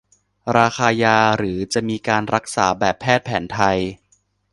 ราคายา หรือ จะมีการรักษาแบบแพทย์แผนไทย